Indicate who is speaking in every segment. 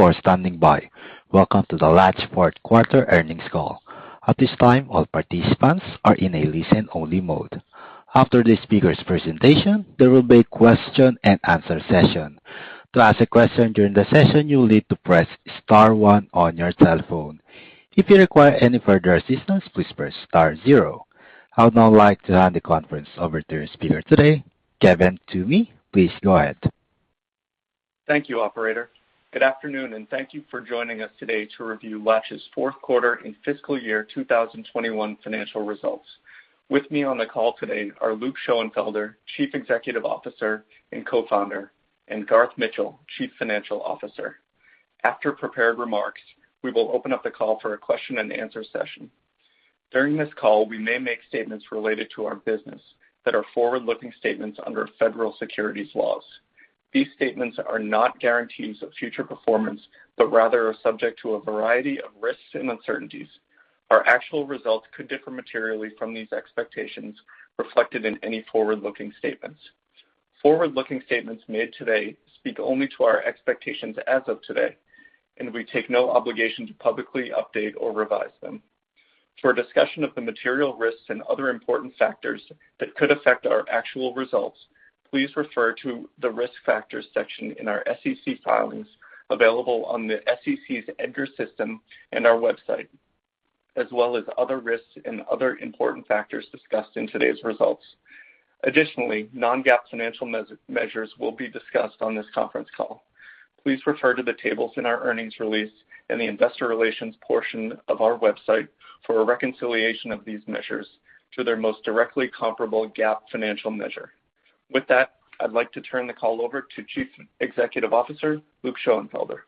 Speaker 1: for standing by. Welcome to the Latch Fourth Quarter Earnings Call. At this time, all participants are in a listen-only mode. After the speaker's presentation, there will be a question and answer session. To ask a question during the session, you will need to press star one on your telephone. If you require any further assistance, please press star zero. I would now like to turn the conference over to our speaker today, Kevin Toomey. Please go ahead.
Speaker 2: Thank you, operator. Good afternoon, and thank you for joining us today to review Latch's fourth quarter and fiscal year 2021 financial results. With me on the call today are Luke Schoenfelder, Chief Executive Officer and Co-Founder, and Garth Mitchell, Chief Financial Officer. After prepared remarks, we will open up the call for a question and answer session. During this call, we may make statements related to our business that are forward-looking statements under federal securities laws. These statements are not guarantees of future performance, but rather are subject to a variety of risks and uncertainties. Our actual results could differ materially from these expectations reflected in any forward-looking statements. Forward-looking statements made today speak only to our expectations as of today, and we take no obligation to publicly update or revise them. For a discussion of the material risks and other important factors that could affect our actual results, please refer to the Risk Factors section in our SEC filings available on the SEC's EDGAR system and our website, as well as other risks and other important factors discussed in today's results. Additionally, non-GAAP financial measures will be discussed on this conference call. Please refer to the tables in our earnings release in the investor relations portion of our website for a reconciliation of these measures to their most directly comparable GAAP financial measure. With that, I'd like to turn the call over to Chief Executive Officer Luke Schoenfelder.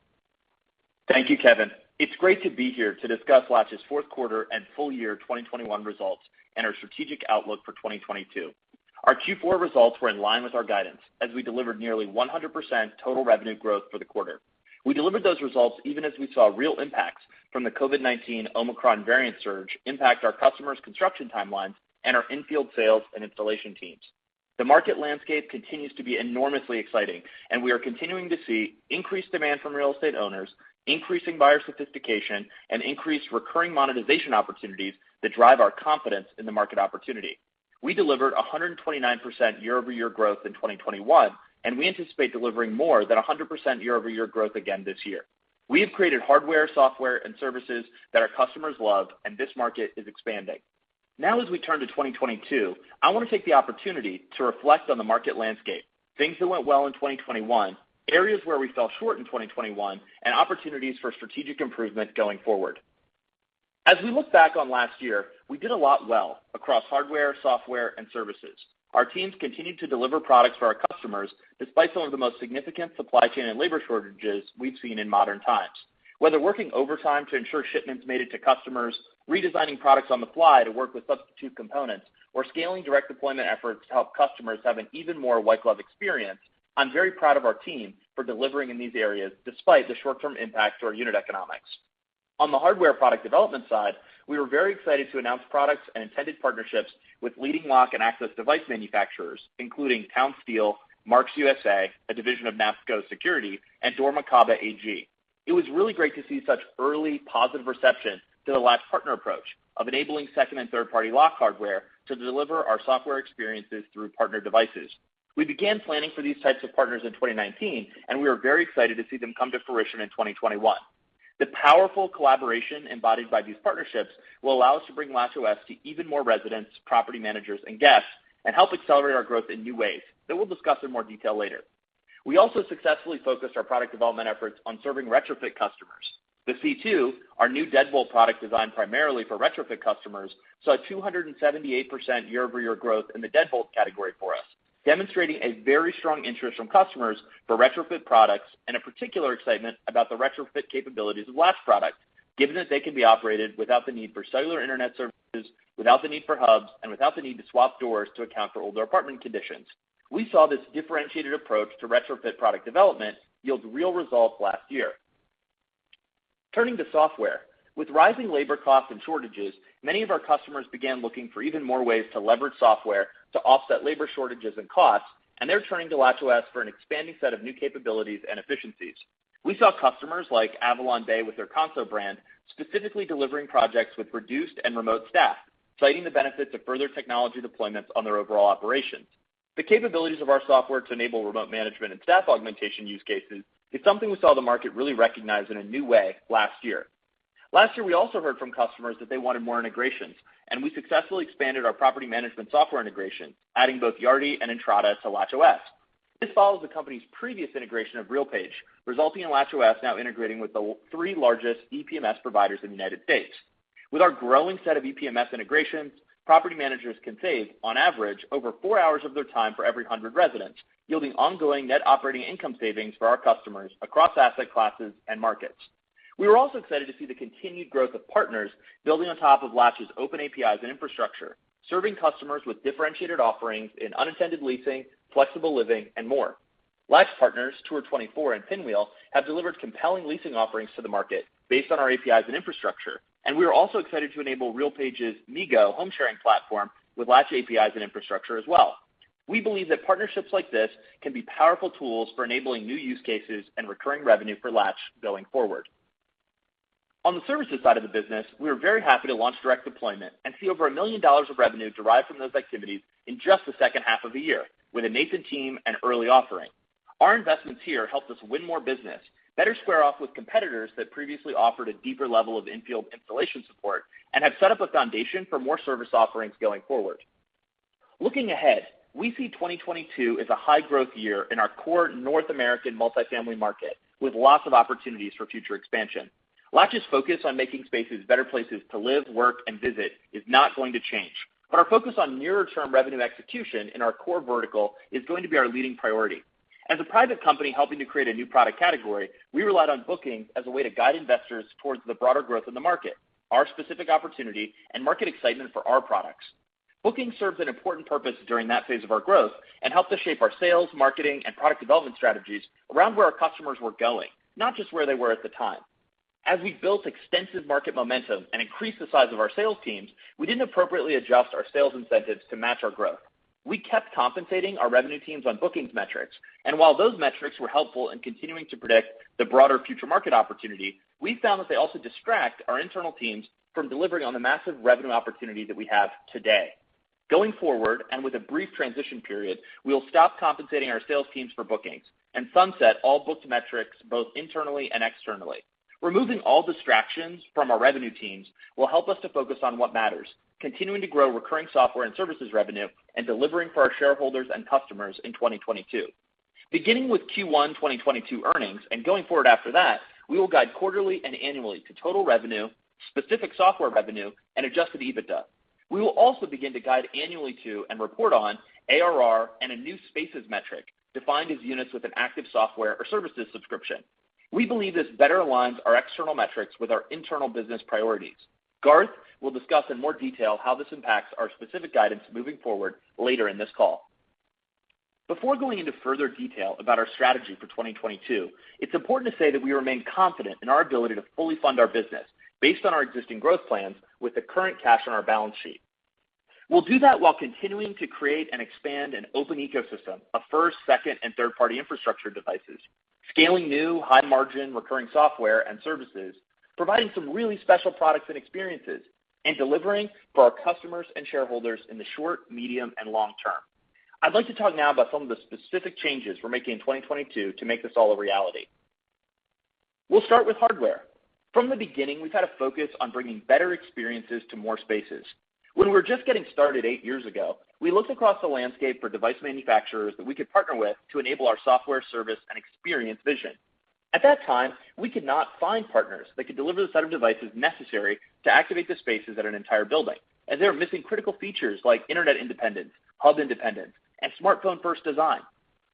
Speaker 3: Thank you, Kevin. It's great to be here to discuss Latch's fourth quarter and full year 2021 results and our strategic outlook for 2022. Our Q4 results were in line with our guidance as we delivered nearly 100% total revenue growth for the quarter. We delivered those results even as we saw real impacts from the COVID-19 Omicron variant surge impact our customers' construction timelines and our infield sales and installation teams. The market landscape continues to be enormously exciting, and we are continuing to see increased demand from real estate owners, increasing buyer sophistication, and increased recurring monetization opportunities that drive our confidence in the market opportunity. We delivered 129% YoY growth in 2021, and we anticipate delivering more than 100% YoY growth again this year. We have created hardware, software, and services that our customers love, and this market is expanding. Now as we turn to 2022, I want to take the opportunity to reflect on the market landscape, things that went well in 2021, areas where we fell short in 2021, and opportunities for strategic improvement going forward. As we look back on last year, we did a lot well across hardware, software, and services. Our teams continued to deliver products for our customers despite some of the most significant supply chain and labor shortages we've seen in modern times. Whether working overtime to ensure shipments made it to customers, redesigning products on the fly to work with substitute components, or scaling direct deployment efforts to help customers have an even more white glove experience, I'm very proud of our team for delivering in these areas despite the short term impact to our unit economics. On the hardware product development side, we were very excited to announce products and intended partnerships with leading lock and access device manufacturers, including TownSteel, Marks USA, a division of NAPCO Security, and dormakaba AG. It was really great to see such early positive reception to the Latch partner approach of enabling second and third party lock hardware to deliver our software experiences through partner devices. We began planning for these types of partners in 2019, and we are very excited to see them come to fruition in 2021. The powerful collaboration embodied by these partnerships will allow us to bring LatchOS to even more residents, property managers, and guests, and help accelerate our growth in new ways that we'll discuss in more detail later. We also successfully focused our product development efforts on serving retrofit customers. The C2, our new deadbolt product designed primarily for retrofit customers, saw 278% YoY growth in the deadbolt category for us, demonstrating a very strong interest from customers for retrofit products and a particular excitement about the retrofit capabilities of Latch products, given that they can be operated without the need for cellular internet services, without the need for hubs, and without the need to swap doors to account for older apartment conditions. We saw this differentiated approach to retrofit product development yield real results last year. Turning to software. With rising labor costs and shortages, many of our customers began looking for even more ways to leverage software to offset labor shortages and costs, and they're turning to LatchOS for an expanding set of new capabilities and efficiencies. We saw customers like AvalonBay with their Kanso brand specifically delivering projects with reduced and remote staff, citing the benefits of further technology deployments on their overall operations. The capabilities of our software to enable remote management and staff augmentation use cases is something we saw the market really recognize in a new way last year. Last year, we also heard from customers that they wanted more integrations, and we successfully expanded our property management software integration, adding both Yardi and Entrata to LatchOS. This follows the company's previous integration of RealPage, resulting in LatchOS now integrating with the three largest EPMS providers in the United States. With our growing set of EPMS integrations, property managers can save, on average, over four hours of their time for every 100 residents, yielding ongoing net operating income savings for our customers across asset classes and markets. We were also excited to see the continued growth of partners building on top of Latch's open APIs and infrastructure, serving customers with differentiated offerings in unattended leasing, flexible living, and more. Latch partners Tour24 and Pinwheel have delivered compelling leasing offerings to the market based on our APIs and infrastructure, and we are also excited to enable RealPage's Migo home sharing platform with Latch APIs and infrastructure as well. We believe that partnerships like this can be powerful tools for enabling new use cases and recurring revenue for Latch going forward. On the services side of the business, we are very happy to launch direct deployment and see over $1 million of revenue derived from those activities in just the second half of the year with a nascent team and early offering. Our investments here helped us win more business, better square off with competitors that previously offered a deeper level of infield installation support, and have set up a foundation for more service offerings going forward. Looking ahead, we see 2022 as a high growth year in our core North American multifamily market with lots of opportunities for future expansion. Latch's focus on making spaces better places to live, work, and visit is not going to change, but our focus on nearer term revenue execution in our core vertical is going to be our leading priority. As a private company helping to create a new product category, we relied on bookings as a way to guide investors towards the broader growth in the market, our specific opportunity, and market excitement for our products. Bookings served an important purpose during that phase of our growth and helped us shape our sales, marketing, and product development strategies around where our customers were going, not just where they were at the time. As we built extensive market momentum and increased the size of our sales teams, we didn't appropriately adjust our sales incentives to match our growth. We kept compensating our revenue teams on bookings metrics, and while those metrics were helpful in continuing to predict the broader future market opportunity, we found that they also distract our internal teams from delivering on the massive revenue opportunity that we have today. Going forward, with a brief transition period, we will stop compensating our sales teams for bookings and sunset all booked metrics both internally and externally. Removing all distractions from our revenue teams will help us to focus on what matters, continuing to grow recurring software and services revenue and delivering for our shareholders and customers in 2022. Beginning with Q1 2022 earnings and going forward after that, we will guide quarterly and annually to total revenue, specific software revenue, and Adjusted EBITDA. We will also begin to guide annually to and report on ARR and a new spaces metric defined as units with an active software or services subscription. We believe this better aligns our external metrics with our internal business priorities. Garth will discuss in more detail how this impacts our specific guidance moving forward later in this call. Before going into further detail about our strategy for 2022, it's important to say that we remain confident in our ability to fully fund our business based on our existing growth plans with the current cash on our balance sheet. We'll do that while continuing to create and expand an open ecosystem of first, second, and third-party infrastructure devices, scaling new high margin recurring software and services, providing some really special products and experiences, and delivering for our customers and shareholders in the short, medium, and long term. I'd like to talk now about some of the specific changes we're making in 2022 to make this all a reality. We'll start with hardware. From the beginning, we've had a focus on bringing better experiences to more spaces. When we were just getting started eight years ago, we looked across the landscape for device manufacturers that we could partner with to enable our software service and experience vision. At that time, we could not find partners that could deliver the set of devices necessary to activate the spaces at an entire building as they were missing critical features like internet independence, hub independence, and smartphone first design.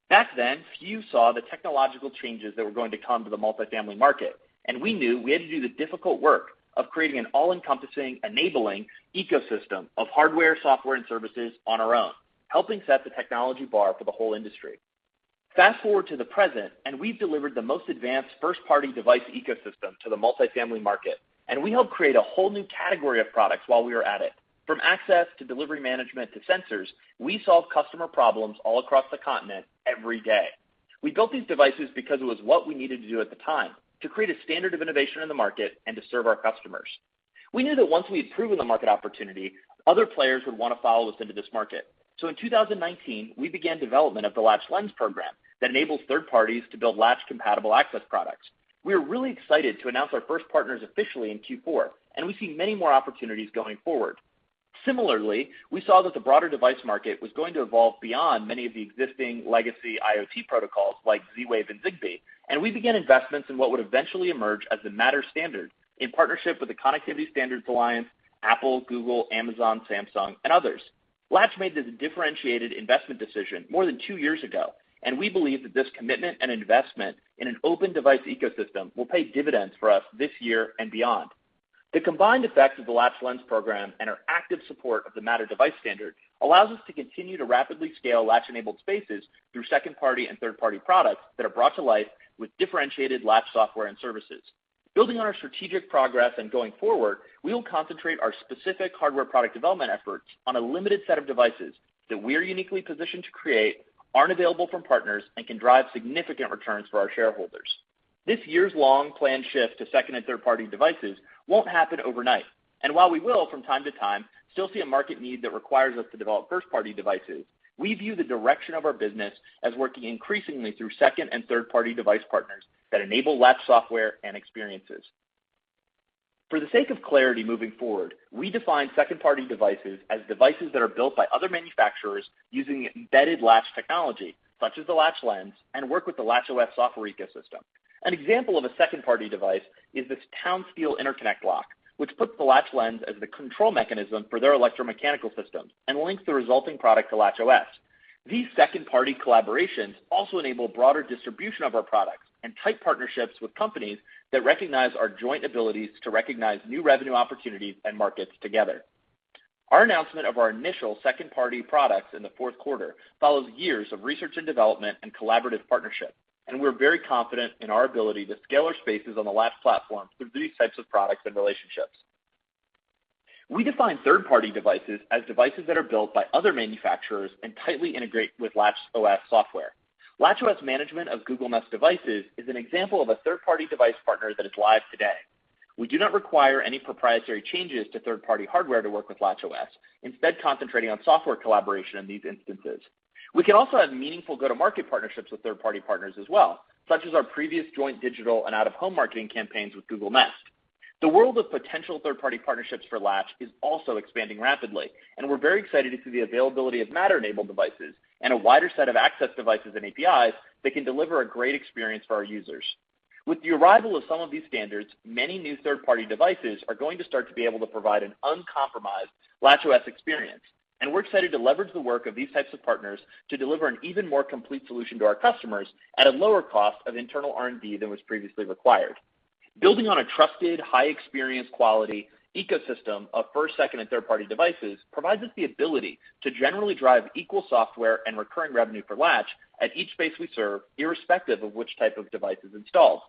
Speaker 3: Back then, few saw the technological changes that were going to come to the multifamily market, and we knew we had to do the difficult work of creating an all-encompassing enabling ecosystem of hardware, software, and services on our own, helping set the technology bar for the whole industry. Fast-forward to the present, and we've delivered the most advanced first-party device ecosystem to the multifamily market, and we helped create a whole new category of products while we were at it. From access to delivery management to sensors, we solve customer problems all across the continent every day. We built these devices because it was what we needed to do at the time to create a standard of innovation in the market and to serve our customers. We knew that once we had proven the market opportunity, other players would want to follow us into this market. In 2019, we began development of the Latch Lens program that enables third parties to build Latch compatible access products. We are really excited to announce our first partners officially in Q4, and we see many more opportunities going forward. Similarly, we saw that the broader device market was going to evolve beyond many of the existing legacy IoT protocols like Z-Wave and Zigbee, and we began investments in what would eventually emerge as the Matter standard in partnership with the Connectivity Standards Alliance, Apple, Google, Amazon, Samsung, and others. Latch made this a differentiated investment decision more than two years ago, and we believe that this commitment and investment in an open device ecosystem will pay dividends for us this year and beyond. The combined effects of the Latch Lens program and our active support of the Matter device standard allows us to continue to rapidly scale Latch-enabled spaces through second-party and third-party products that are brought to life with differentiated Latch software and services. Building on our strategic progress and going forward, we will concentrate our specific hardware product development efforts on a limited set of devices that we are uniquely positioned to create, aren't available from partners, and can drive significant returns for our shareholders. This years-long planned shift to second- and third-party devices won't happen overnight. While we will from time to time still see a market need that requires us to develop first-party devices, we view the direction of our business as working increasingly through second- and third-party device partners that enable Latch software and experiences. For the sake of clarity moving forward, we define second-party devices as devices that are built by other manufacturers using embedded Latch technology such as the Latch Lens and work with the LatchOS software ecosystem. An example of a second-party device is this TownSteel interconnect lock, which puts the Latch Lens as the control mechanism for their electromechanical systems and links the resulting product to LatchOS. These second-party collaborations also enable broader distribution of our products and tight partnerships with companies that recognize our joint abilities to recognize new revenue opportunities and markets together. Our announcement of our initial second-party products in the fourth quarter follows years of research and development and collaborative partnership, and we're very confident in our ability to scale our spaces on the Latch platform through these types of products and relationships. We define third-party devices as devices that are built by other manufacturers and tightly integrate with LatchOS software. LatchOS management of Google Nest devices is an example of a third-party device partner that is live today. We do not require any proprietary changes to third-party hardware to work with LatchOS, instead concentrating on software collaboration in these instances. We can also have meaningful go-to-market partnerships with third-party partners as well, such as our previous joint digital and out-of-home marketing campaigns with Google Nest. The world of potential third-party partnerships for Latch is also expanding rapidly, and we're very excited to see the availability of Matter-enabled devices and a wider set of access devices and APIs that can deliver a great experience for our users. With the arrival of some of these standards, many new third-party devices are going to start to be able to provide an uncompromised LatchOS experience, and we're excited to leverage the work of these types of partners to deliver an even more complete solution to our customers at a lower cost of internal R&D than was previously required. Building on a trusted, high experience quality ecosystem of first, second, and third-party devices provides us the ability to generally drive equal software and recurring revenue for Latch at each space we serve, irrespective of which type of device is installed.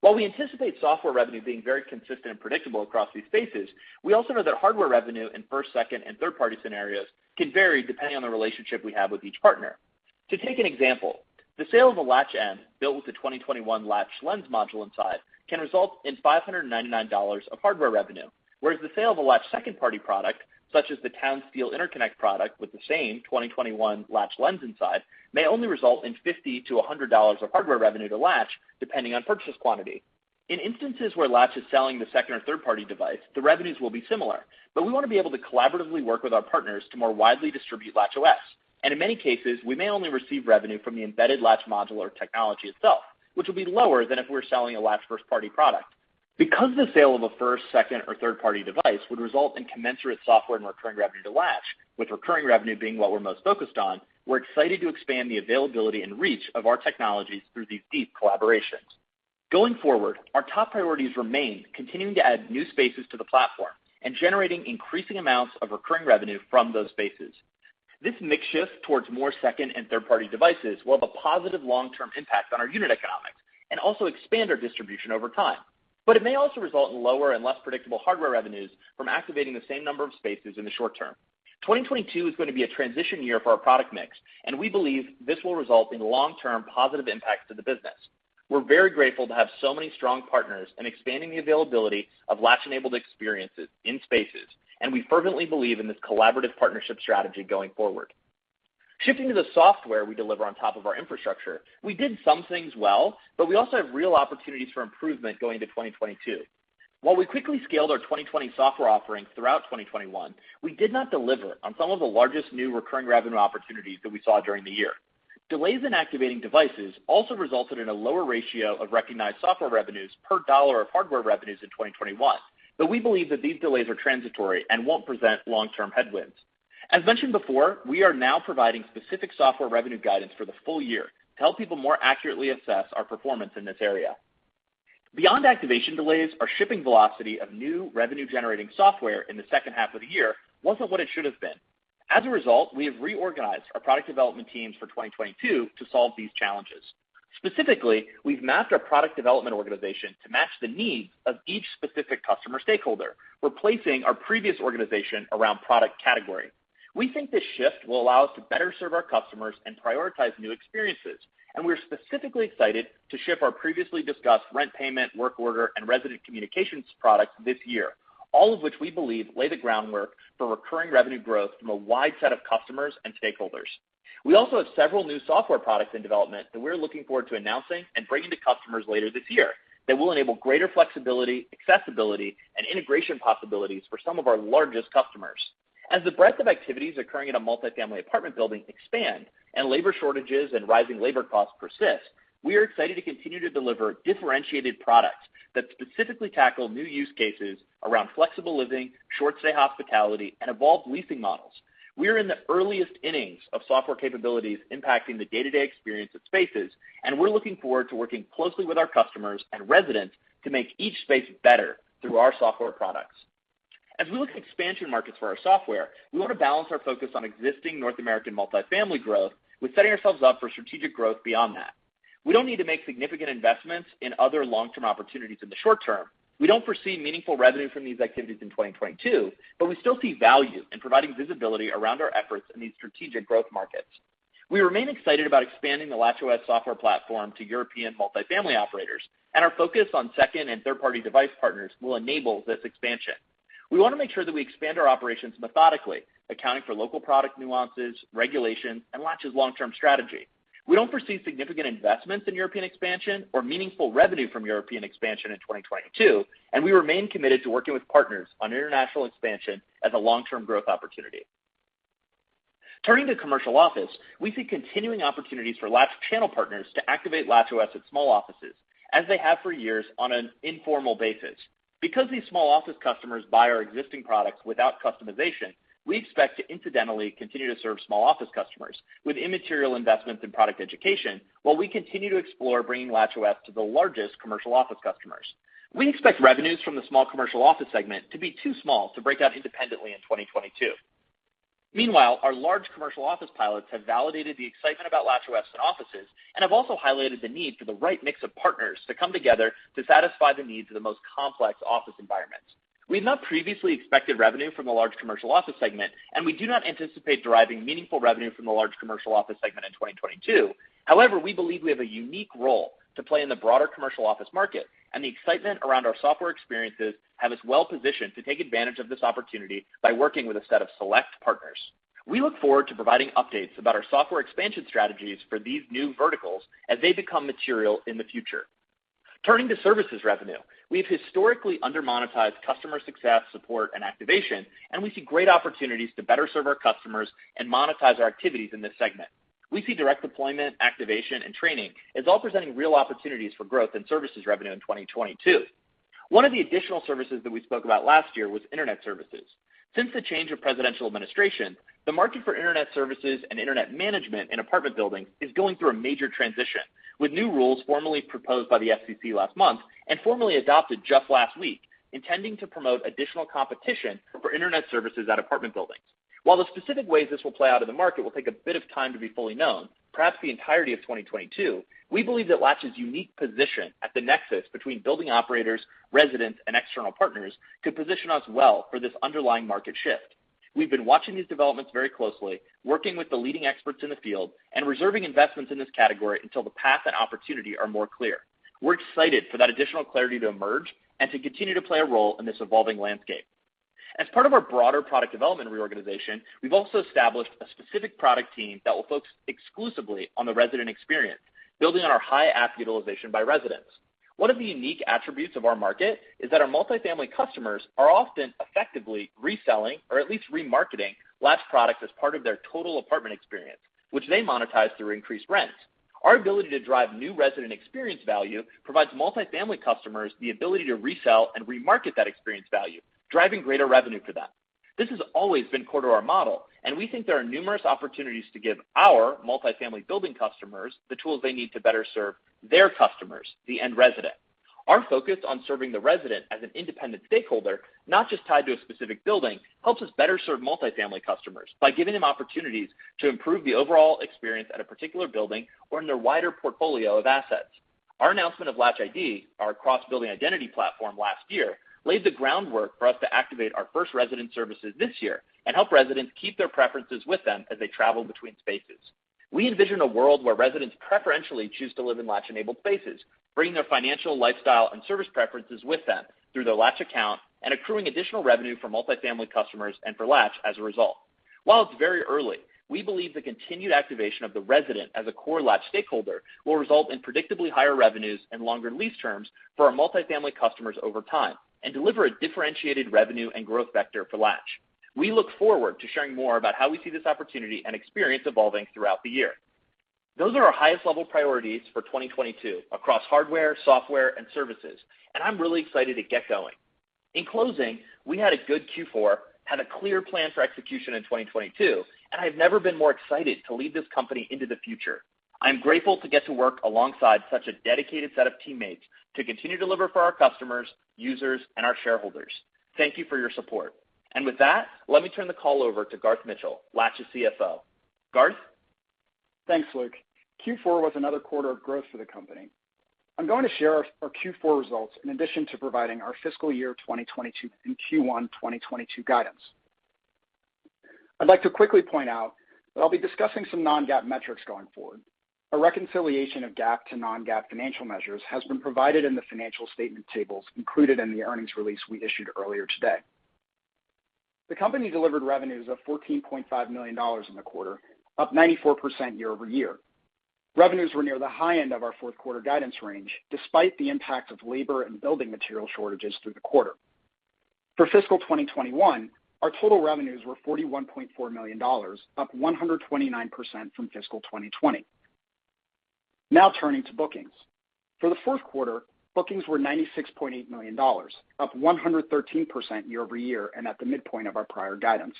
Speaker 3: While we anticipate software revenue being very consistent and predictable across these spaces, we also know that hardware revenue in first, second, and third-party scenarios can vary depending on the relationship we have with each partner. To take an example, the sale of a Latch deadbolt with the 2021 Latch Lens module inside can result in $599 of hardware revenue, whereas the sale of a Latch second-party product, such as the TownSteel Interconnect product with the same 2021 Latch Lens inside, may only result in $50-$100 of hardware revenue to Latch, depending on purchase quantity. In instances where Latch is selling the second or third-party device, the revenues will be similar. We want to be able to collaboratively work with our partners to more widely distribute LatchOS. In many cases, we may only receive revenue from the embedded Latch module or technology itself, which will be lower than if we were selling a Latch first-party product. Because the sale of a first, second, or third-party device would result in commensurate software and recurring revenue to Latch, with recurring revenue being what we're most focused on, we're excited to expand the availability and reach of our technologies through these deep collaborations. Going forward, our top priorities remain continuing to add new spaces to the platform and generating increasing amounts of recurring revenue from those spaces. This mix shift towards more second and third-party devices will have a positive long-term impact on our unit economics and also expand our distribution over time. It may also result in lower and less predictable hardware revenues from activating the same number of spaces in the short term. 2022 is going to be a transition year for our product mix, and we believe this will result in long-term positive impacts to the business. We're very grateful to have so many strong partners in expanding the availability of Latch-enabled experiences in spaces, and we fervently believe in this collaborative partnership strategy going forward. Shifting to the software we deliver on top of our infrastructure, we did some things well, but we also have real opportunities for improvement going into 2022. While we quickly scaled our 2020 software offerings throughout 2021, we did not deliver on some of the largest new recurring revenue opportunities that we saw during the year. Delays in activating devices also resulted in a lower ratio of recognized software revenues per dollar of hardware revenues in 2021, but we believe that these delays are transitory and won't present long-term headwinds. As mentioned before, we are now providing specific software revenue guidance for the full year to help people more accurately assess our performance in this area. Beyond activation delays, our shipping velocity of new revenue-generating software in the second half of the year wasn't what it should have been. As a result, we have reorganized our product development teams for 2022 to solve these challenges. Specifically, we've mapped our product development organization to match the needs of each specific customer stakeholder. We're reorganizing our organization around product category. We think this shift will allow us to better serve our customers and prioritize new experiences, and we're specifically excited to ship our previously discussed rent payment, work order, and resident communications products this year, all of which we believe lay the groundwork for recurring revenue growth from a wide set of customers and stakeholders. We also have several new software products in development that we're looking forward to announcing and bringing to customers later this year that will enable greater flexibility, accessibility, and integration possibilities for some of our largest customers. As the breadth of activities occurring in a multifamily apartment building expand and labor shortages and rising labor costs persist, we are excited to continue to deliver differentiated products that specifically tackle new use cases around flexible living, short-stay hospitality, and evolved leasing models. We are in the earliest innings of software capabilities impacting the day-to-day experience of spaces, and we're looking forward to working closely with our customers and residents to make each space better through our software products. As we look at expansion markets for our software, we want to balance our focus on existing North American multifamily growth with setting ourselves up for strategic growth beyond that. We don't need to make significant investments in other long-term opportunities in the short term. We don't foresee meaningful revenue from these activities in 2022, but we still see value in providing visibility around our efforts in these strategic growth markets. We remain excited about expanding the LatchOS software platform to European multifamily operators, and our focus on second and third-party device partners will enable this expansion. We want to make sure that we expand our operations methodically, accounting for local product nuances, regulations, and Latch's long-term strategy. We don't foresee significant investments in European expansion or meaningful revenue from European expansion in 2022, and we remain committed to working with partners on international expansion as a long-term growth opportunity. Turning to commercial office, we see continuing opportunities for Latch channel partners to activate LatchOS at small offices, as they have for years on an informal basis. Because these small office customers buy our existing products without customization, we expect to incidentally continue to serve small office customers with immaterial investments in product education while we continue to explore bringing LatchOS to the largest commercial office customers. We expect revenues from the small commercial office segment to be too small to break out independently in 2022. Meanwhile, our large commercial office pilots have validated the excitement about LatchOS in offices and have also highlighted the need for the right mix of partners to come together to satisfy the needs of the most complex office environments. We've not previously expected revenue from the large commercial office segment, and we do not anticipate deriving meaningful revenue from the large commercial office segment in 2022. However, we believe we have a unique role to play in the broader commercial office market, and the excitement around our software experiences have us well positioned to take advantage of this opportunity by working with a set of select partners. We look forward to providing updates about our software expansion strategies for these new verticals as they become material in the future. Turning to services revenue. We've historically under-monetized customer success, support and activation, and we see great opportunities to better serve our customers and monetize our activities in this segment. We see direct deployment, activation, and training as all presenting real opportunities for growth in services revenue in 2022. One of the additional services that we spoke about last year was internet services. Since the change of presidential administration, the market for internet services and internet management in apartment buildings is going through a major transition, with new rules formally proposed by the FCC last month and formally adopted just last week, intending to promote additional competition for internet services at apartment buildings. While the specific ways this will play out in the market will take a bit of time to be fully known, perhaps the entirety of 2022, we believe that Latch's unique position at the nexus between building operators, residents, and external partners could position us well for this underlying market shift. We've been watching these developments very closely, working with the leading experts in the field and reserving investments in this category until the path and opportunity are more clear. We're excited for that additional clarity to emerge and to continue to play a role in this evolving landscape. As part of our broader product development reorganization, we've also established a specific product team that will focus exclusively on the resident experience, building on our high app utilization by residents. One of the unique attributes of our market is that our multifamily customers are often effectively reselling or at least remarketing Latch products as part of their total apartment experience, which they monetize through increased rents. Our ability to drive new resident experience value provides multifamily customers the ability to resell and remarket that experience value, driving greater revenue for them. This has always been core to our model, and we think there are numerous opportunities to give our multifamily building customers the tools they need to better serve their customers, the end resident. Our focus on serving the resident as an independent stakeholder, not just tied to a specific building, helps us better serve multifamily customers by giving them opportunities to improve the overall experience at a particular building or in their wider portfolio of assets. Our announcement of Latch ID, our cross-building identity platform last year, laid the groundwork for us to activate our first resident services this year and help residents keep their preferences with them as they travel between spaces. We envision a world where residents preferentially choose to live in Latch-enabled spaces, bringing their financial, lifestyle, and service preferences with them through their Latch account and accruing additional revenue for multifamily customers and for Latch as a result. While it's very early, we believe the continued activation of the resident as a core Latch stakeholder will result in predictably higher revenues and longer lease terms for our multifamily customers over time and deliver a differentiated revenue and growth vector for Latch. We look forward to sharing more about how we see this opportunity and experience evolving throughout the year. Those are our highest level priorities for 2022 across hardware, software, and services, and I'm really excited to get going. In closing, we had a good Q4, have a clear plan for execution in 2022, and I've never been more excited to lead this company into the future. I'm grateful to get to work alongside such a dedicated set of teammates to continue to deliver for our customers, users, and our shareholders. Thank you for your support. With that, let me turn the call over to Garth Mitchell, Latch's CFO. Garth?
Speaker 4: Thanks, Luke. Q4 was another quarter of growth for the company. I'm going to share our Q4 results in addition to providing our fiscal year 2022 and Q1 2022 guidance. I'd like to quickly point out that I'll be discussing some non-GAAP metrics going forward. A reconciliation of GAAP to non-GAAP financial measures has been provided in the financial statement tables included in the earnings release we issued earlier today. The company delivered revenues of $14.5 million in the quarter, up 94% YoY. Revenues were near the high end of our fourth quarter guidance range, despite the impact of labor and building material shortages through the quarter. For fiscal 2021, our total revenues were $41.4 million, up 129% from fiscal 2020. Now turning to bookings. For the fourth quarter, bookings were $96.8 million, up 113% YoY and at the midpoint of our prior guidance.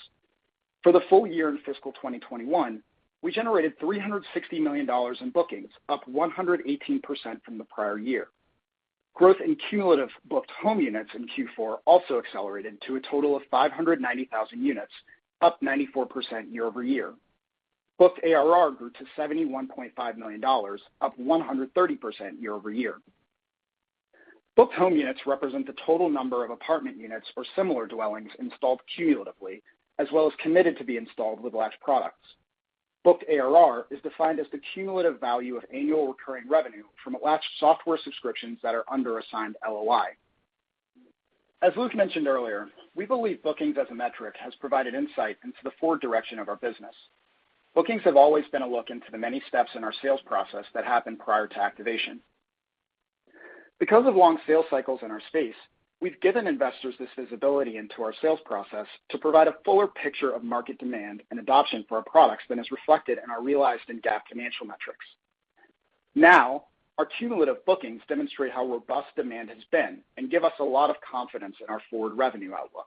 Speaker 4: For the full year in fiscal 2021, we generated $360 million in bookings, up 118% from the prior year. Growth in cumulative booked home units in Q4 also accelerated to a total of 590,000 units, up 94% YoY. Booked ARR grew to $71.5 million, up 130% YoY. Booked home units represent the total number of apartment units or similar dwellings installed cumulatively, as well as committed to be installed with Latch products. Booked ARR is defined as the cumulative value of annual recurring revenue from Latch software subscriptions that are under assigned LOI. As Luke mentioned earlier, we believe bookings as a metric has provided insight into the forward direction of our business. Bookings have always been a look into the many steps in our sales process that happen prior to activation. Because of long sales cycles in our space, we've given investors this visibility into our sales process to provide a fuller picture of market demand and adoption for our products than is reflected in our realized and GAAP financial metrics. Now, our cumulative bookings demonstrate how robust demand has been and give us a lot of confidence in our forward revenue outlook.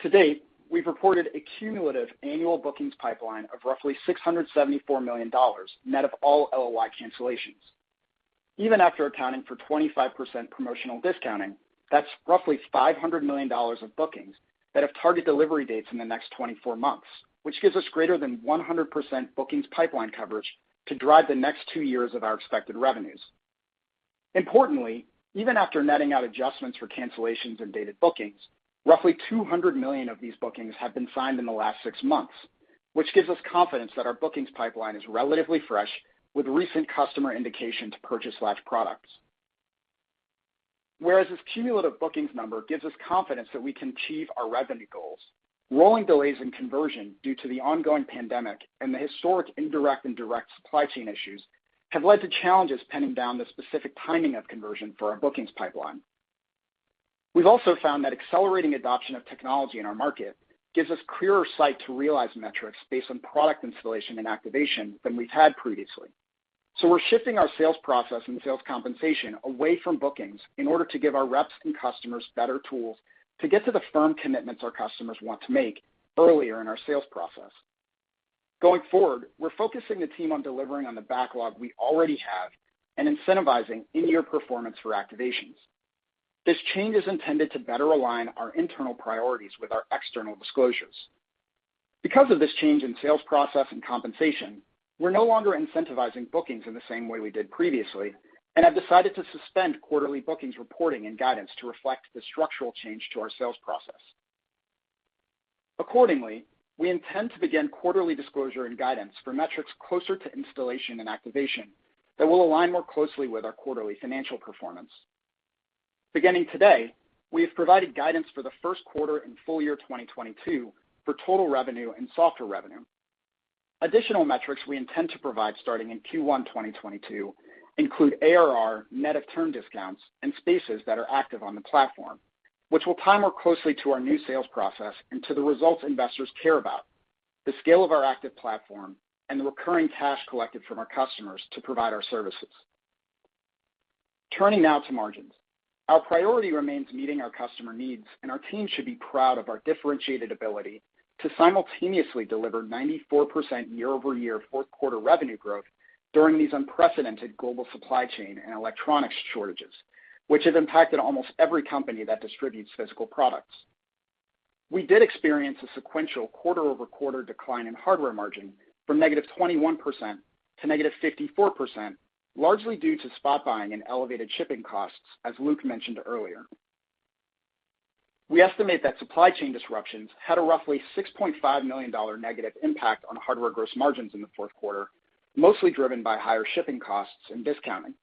Speaker 4: To date, we've reported a cumulative annual bookings pipeline of roughly $674 million, net of all LOI cancellations. Even after accounting for 25% promotional discounting, that's roughly $500 million of bookings that have target delivery dates in the next 24 months, which gives us greater than 100% bookings pipeline coverage to drive the next two years of our expected revenues. Importantly, even after netting out adjustments for cancellations and dated bookings, roughly $200 million of these bookings have been signed in the last six months, which gives us confidence that our bookings pipeline is relatively fresh with recent customer indication to purchase Latch products. Whereas this cumulative bookings number gives us confidence that we can achieve our revenue goals, rolling delays in conversion due to the ongoing pandemic and the historic indirect and direct supply chain issues have led to challenges pinning down the specific timing of conversion for our bookings pipeline. We've also found that accelerating adoption of technology in our market gives us clearer sight to realize metrics based on product installation and activation than we've had previously. We're shifting our sales process and sales compensation away from bookings in order to give our reps and customers better tools to get to the firm commitments our customers want to make earlier in our sales process. Going forward, we're focusing the team on delivering on the backlog we already have and incentivizing in-year performance for activations. This change is intended to better align our internal priorities with our external disclosures. Because of this change in sales process and compensation, we're no longer incentivizing bookings in the same way we did previously and have decided to suspend quarterly bookings reporting and guidance to reflect the structural change to our sales process. Accordingly, we intend to begin quarterly disclosure and guidance for metrics closer to installation and activation that will align more closely with our quarterly financial performance. Beginning today, we have provided guidance for the first quarter and full year 2022 for total revenue and software revenue. Additional metrics we intend to provide starting in Q1 2022 include ARR net of term discounts and spaces that are active on the platform, which will tie more closely to our new sales process and to the results investors care about, the scale of our active platform, and the recurring cash collected from our customers to provide our services. Turning now to margins. Our priority remains meeting our customer needs, and our team should be proud of our differentiated ability to simultaneously deliver 94% YoY fourth quarter revenue growth during these unprecedented global supply chain and electronics shortages, which have impacted almost every company that distributes physical products. We did experience a sequential QoQ decline in hardware margin from -21% to -54%, largely due to spot buying and elevated shipping costs, as Luke mentioned earlier. We estimate that supply chain disruptions had a roughly $6.5 million negative impact on hardware gross margins in the fourth quarter, mostly driven by higher shipping costs and discounting.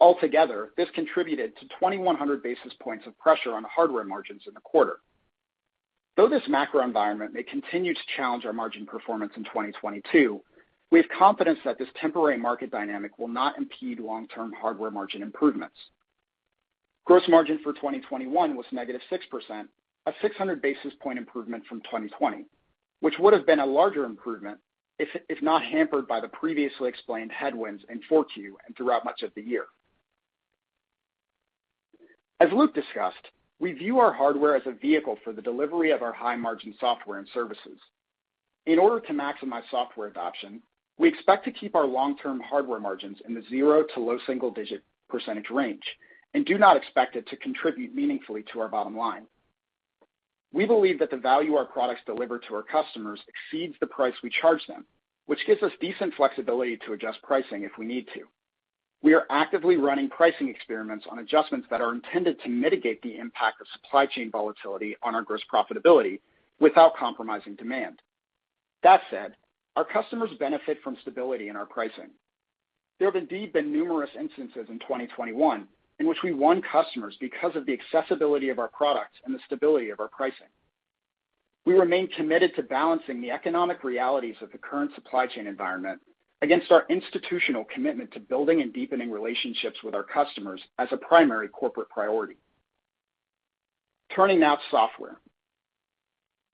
Speaker 4: Altogether, this contributed to 2,100 basis points of pressure on hardware margins in the quarter. Though this macro environment may continue to challenge our margin performance in 2022, we have confidence that this temporary market dynamic will not impede long-term hardware margin improvements. Gross margin for 2021 was -6%, a 600 basis point improvement from 2020, which would have been a larger improvement if not hampered by the previously explained headwinds in 4Q and throughout much of the year. As Luke discussed, we view our hardware as a vehicle for the delivery of our high-margin software and services. In order to maximize software adoption, we expect to keep our long-term hardware margins in the zero to low single-digit percentage range and do not expect it to contribute meaningfully to our bottom line. We believe that the value our products deliver to our customers exceeds the price we charge them, which gives us decent flexibility to adjust pricing if we need to. We are actively running pricing experiments on adjustments that are intended to mitigate the impact of supply chain volatility on our gross profitability without compromising demand. That said, our customers benefit from stability in our pricing. There have indeed been numerous instances in 2021 in which we won customers because of the accessibility of our products and the stability of our pricing. We remain committed to balancing the economic realities of the current supply chain environment against our institutional commitment to building and deepening relationships with our customers as a primary corporate priority. Turning now to software.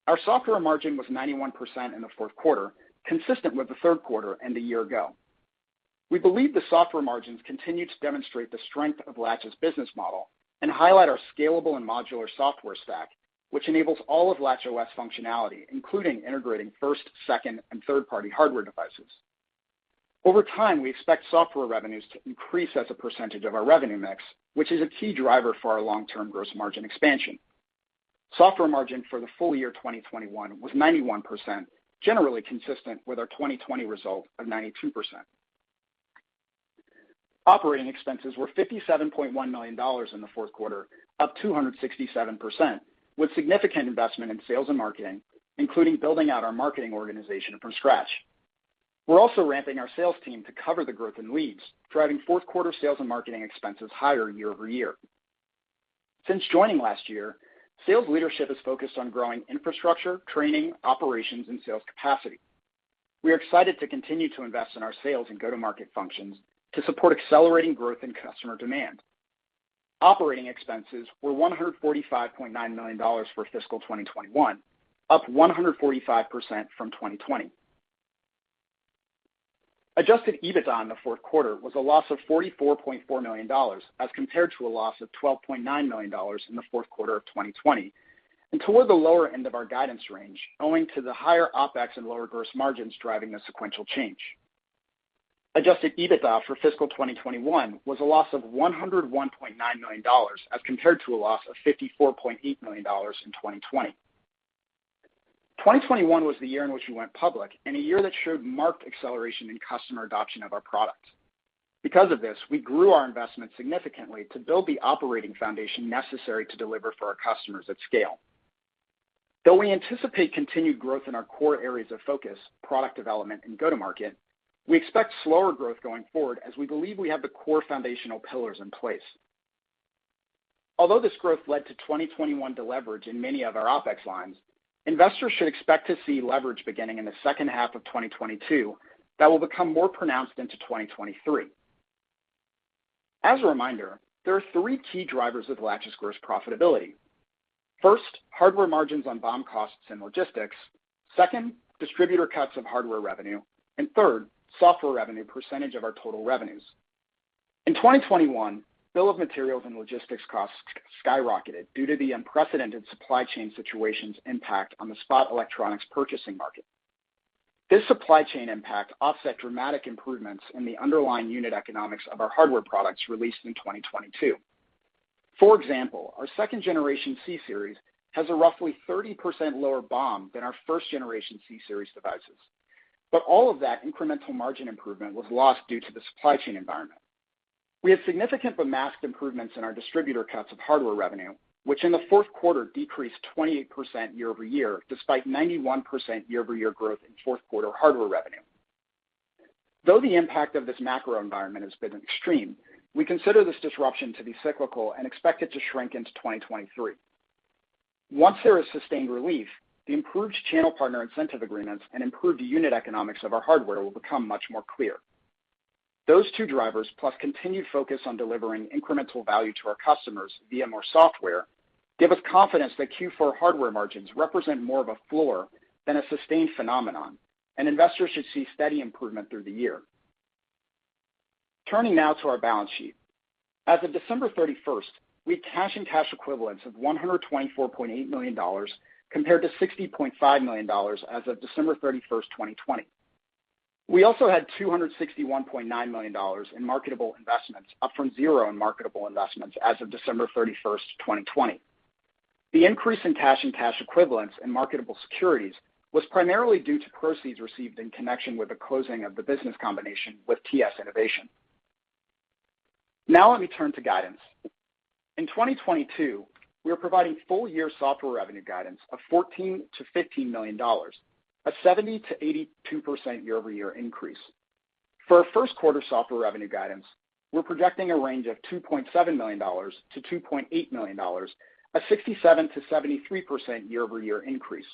Speaker 4: Our software margin was 91% in the fourth quarter, consistent with the third quarter and a year ago. We believe the software margins continue to demonstrate the strength of Latch's business model and highlight our scalable and modular software stack, which enables all of LatchOS functionality, including integrating first, second, and third-party hardware devices. Over time, we expect software revenues to increase as a percentage of our revenue mix, which is a key driver for our long-term gross margin expansion. Software margin for the full year 2021 was 91%, generally consistent with our 2020 result of 92%. Operating expenses were $57.1 million in the fourth quarter, up 267%, with significant investment in sales and marketing, including building out our marketing organization from scratch. We're also ramping our sales team to cover the growth in leads, driving fourth quarter sales and marketing expenses higher YoY. Since joining last year, sales leadership is focused on growing infrastructure, training, operations, and sales capacity. We are excited to continue to invest in our sales and go-to-market functions to support accelerating growth in customer demand. Operating expenses were $145.9 million for fiscal 2021, up 145% from 2020. Adjusted EBITDA in the fourth quarter was a loss of $44.4 million, as compared to a loss of $12.9 million in the fourth quarter of 2020 and toward the lower end of our guidance range, owing to the higher OpEx and lower gross margins driving a sequential change. Adjusted EBITDA for fiscal 2021 was a loss of $101.9 million as compared to a loss of $54.8 million in 2020. 2021 was the year in which we went public and a year that showed marked acceleration in customer adoption of our product. Because of this, we grew our investment significantly to build the operating foundation necessary to deliver for our customers at scale. Though we anticipate continued growth in our core areas of focus, product development and go-to-market, we expect slower growth going forward as we believe we have the core foundational pillars in place. Although this growth led to 2021 deleverage in many of our OpEx lines, investors should expect to see leverage beginning in the second half of 2022 that will become more pronounced into 2023. As a reminder, there are three key drivers of Latch's core profitability. First, hardware margins on BOM costs and logistics. Second, distributor cuts of hardware revenue. Third, software revenue percentage of our total revenues. In 2021, bill of materials and logistics costs skyrocketed due to the unprecedented supply chain situation's impact on the spot electronics purchasing market. This supply chain impact offset dramatic improvements in the underlying unit economics of our hardware products released in 2022. For example, our second generation C-series has a roughly 30% lower BOM than our first generation C-series devices. All of that incremental margin improvement was lost due to the supply chain environment. We had significant but masked improvements in our distributor cuts of hardware revenue, which in the fourth quarter decreased 28% YoY, despite 91% YoY growth in fourth quarter hardware revenue. Though the impact of this macro environment has been extreme, we consider this disruption to be cyclical and expect it to shrink into 2023. Once there is sustained relief, the improved channel partner incentive agreements and improved unit economics of our hardware will become much more clear. Those two drivers, plus continued focus on delivering incremental value to our customers via more software, give us confidence that Q4 hardware margins represent more of a floor than a sustained phenomenon, and investors should see steady improvement through the year. Turning now to our balance sheet. As of December 31, we had cash and cash equivalents of $124.8 million compared to $60.5 million as of December 31, 2020. We also had $261.9 million in marketable investments, up from $0 in marketable investments as of December 31, 2020. The increase in cash and cash equivalents and marketable securities was primarily due to proceeds received in connection with the closing of the business combination with TS Innovation. Now let me turn to guidance. In 2022, we are providing full-year software revenue guidance of $14 million-$15 million, a 70%-82% YoY increase. For our first quarter software revenue guidance, we're projecting a range of $2.7 million-$2.8 million, a 67%-73% YoY increase.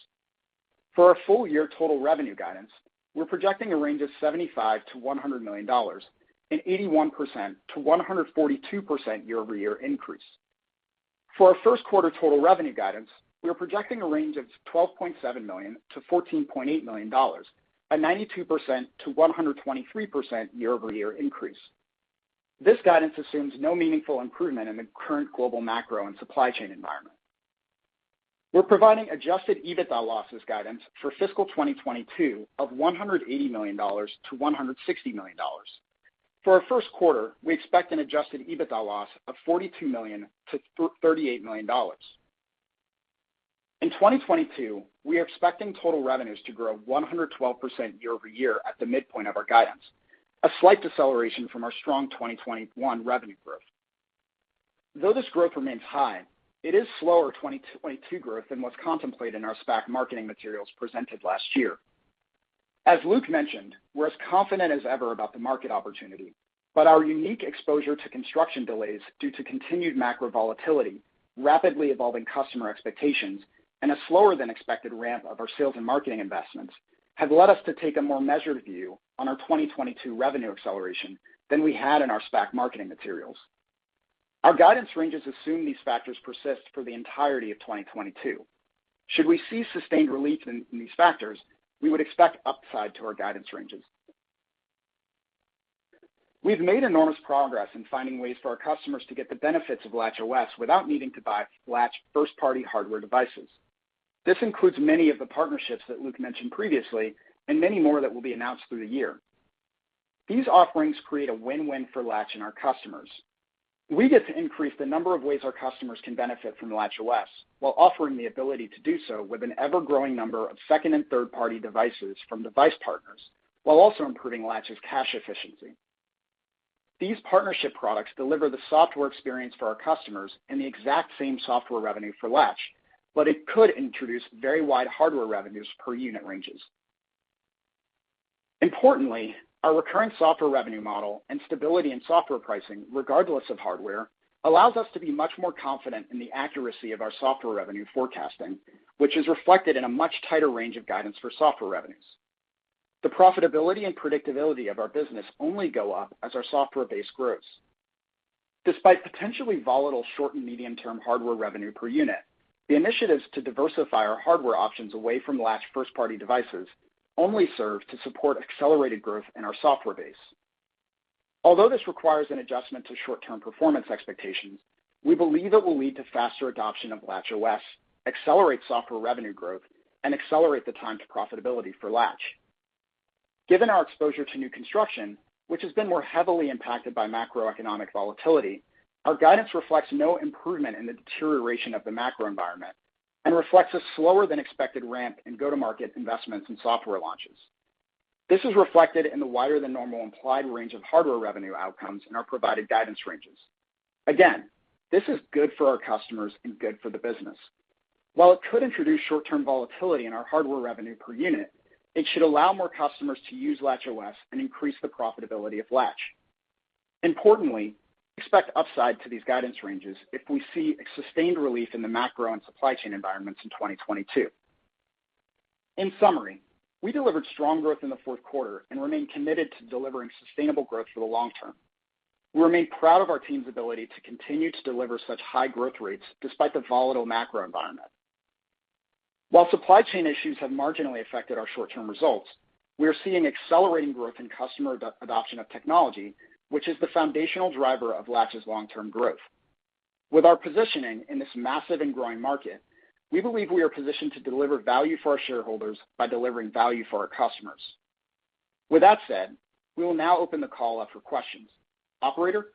Speaker 4: For our full-year total revenue guidance, we're projecting a range of $75 million-$100 million, an 81%-142% YoY increase. For our first quarter total revenue guidance, we are projecting a range of $12.7 million-$14.8 million, a 92%-123% YoY increase. This guidance assumes no meaningful improvement in the current global macro and supply chain environment. We're providing Adjusted EBITDA losses guidance for fiscal 2022 of $180 million-$160 million. For our first quarter, we expect an Adjusted EBITDA loss of $42 million-$38 million. In 2022, we are expecting total revenues to grow 112% YoY at the midpoint of our guidance, a slight deceleration from our strong 2021 revenue growth. Though this growth remains high, it is slower 2022 growth than was contemplated in our SPAC marketing materials presented last year. As Luke mentioned, we're as confident as ever about the market opportunity, but our unique exposure to construction delays due to continued macro volatility, rapidly evolving customer expectations, and a slower than expected ramp of our sales and marketing investments have led us to take a more measured view on our 2022 revenue acceleration than we had in our SPAC marketing materials. Our guidance ranges assume these factors persist for the entirety of 2022. Should we see sustained relief in these factors, we would expect upside to our guidance ranges. We've made enormous progress in finding ways for our customers to get the benefits of LatchOS without needing to buy Latch first-party hardware devices. This includes many of the partnerships tat Luke mentioned previously, and many more that will be announced through the year. These offerings create a win-win for Latch and our customers. We get to increase the number of ways our customers can benefit from LatchOS, while offering the ability to do so with an ever-growing number of second- and third-party devices from device partners, while also improving Latch's cash efficiency. These partnership products deliver the software experience for our customers and the exact same software revenue for Latch, but it could introduce very wide hardware revenues per unit ranges. Importantly, our recurring software revenue model and stability in software pricing, regardless of hardware, allows us to be much more confident in the accuracy of our software revenue forecasting, which is reflected in a much tighter range of guidance for software revenues. The profitability and predictability of our business only go up as our software base grows. Despite potentially volatile short and medium-term hardware revenue per unit, the initiatives to diversify our hardware options away from Latch first-party devices only serve to support accelerated growth in our software base. Although this requires an adjustment to short-term performance expectations, we believe it will lead to faster adoption of LatchOS, accelerate software revenue growth, and accelerate the time to profitability for Latch. Given our exposure to new construction, which has been more heavily impacted by macroeconomic volatility, our guidance reflects no improvement in the deterioration of the macro environment and reflects a slower than expected ramp in go-to-market investments and software launches. This is reflected in the wider than normal implied range of hardware revenue outcomes in our provided guidance ranges. Again, this is good for our customers and good for the business. While it could introduce short-term volatility in our hardware revenue per unit, it should allow more customers to use LatchOS and increase the profitability of Latch. Importantly, expect upside to these guidance ranges if we see a sustained relief in the macro and supply chain environments in 2022. In summary, we delivered strong growth in the fourth quarter and remain committed to delivering sustainable growth for the long term. We remain proud of our team's ability to continue to deliver such high growth rates despite the volatile macro environment. While supply chain issues have marginally affected our short-term results, we are seeing accelerating growth in customer adoption of technology, which is the foundational driver of Latch's long-term growth. With our positioning in this massive and growing market, we believe we are positioned to deliver value for our shareholders by delivering value for our customers. With that said, we will now open the call up for questions. Operator?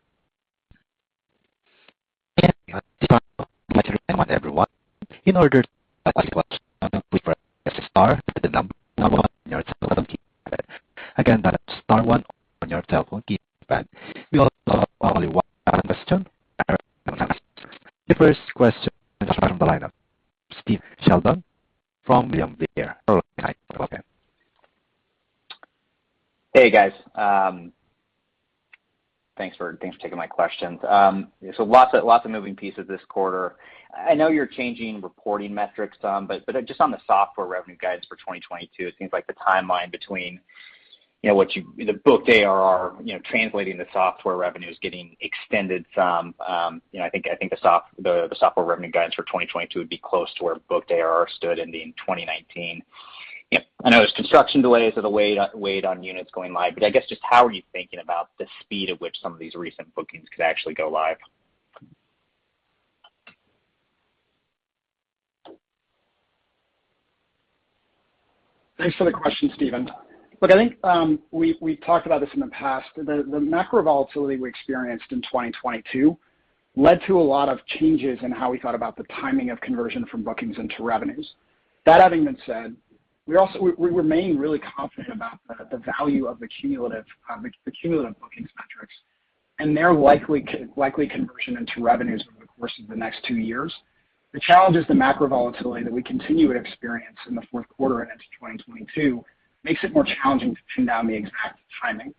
Speaker 1: The first question comes from the line of Stephen Sheldon from William Blair.
Speaker 5: Hey, guys. Thanks for taking my questions. Lots of moving pieces this quarter. I know you're changing reporting metrics some, but just on the software revenue guidance for 2022, it seems like the timeline between the book ARR translating the software revenues getting extended some. I think the software revenue guidance for 2022 would be close to where book ARR stood ending 2019. I know there's construction delays that have weighed on units going live, but I guess just how are you thinking about the speed at which some of these recent bookings could actually go live?
Speaker 4: Thanks for the question, Steve. Look, I think we talked about this in the past. The macro volatility we experienced in 2022 led to a lot of changes in how we thought about the timing of conversion from bookings into revenues. That having been said, we remain really confident about the value of the cumulative bookings metrics and their likely conversion into revenues over the course of the next two years. The challenge is the macro volatility that we continue to experience in the fourth quarter and into 2022 makes it more challenging to pin down the exact timing.